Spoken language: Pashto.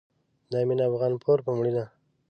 د امين افغانپور په مړينه